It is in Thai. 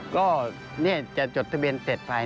ก็จะจดทะเบียนเสร็จไป